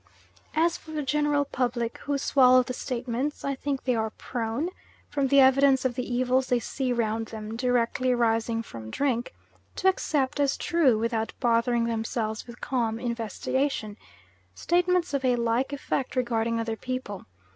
As for the general public who swallow the statements, I think they are prone, from the evidence of the evils they see round them directly arising from drink, to accept as true without bothering themselves with calm investigation statements of a like effect regarding other people.